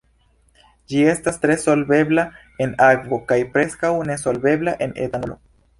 Ĝi estas tre solvebla en akvo kaj preskaŭ nesolvebla en etanolo.